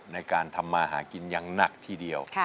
ในการทำมาหากินอย่างหนักทีเดียว